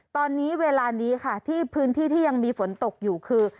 ตอนนี้เวลานี้ค่ะที่พื้นที่ที่ยังมีฝนตกอยู่คือ